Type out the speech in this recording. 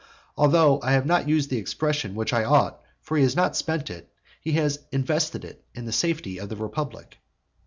Although I have not used the expression which I ought, for he has not spent it, he has invested it in the safety of the republic.